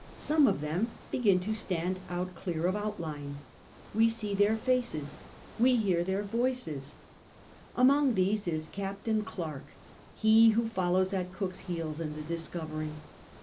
Some of them begin to stand out clear of outline ; we see their faces, we hear their voices. XIII SOME OF THE OFFICERS 179 Among these is Captain Clerke, he who follows at Cook's heels in the IHscovery.